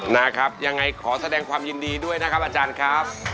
นะครับยังไงขอแสดงความยินดีด้วยนะครับอาจารย์ครับ